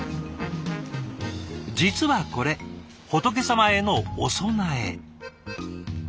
実はこれ仏様へのお供え。